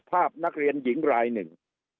ภาพนักเรียนหญิงรายหนึ่ง